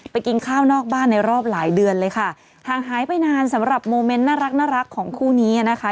กินข้าวนอกบ้านในรอบหลายเดือนเลยค่ะห่างหายไปนานสำหรับโมเมนต์น่ารักน่ารักของคู่นี้นะคะ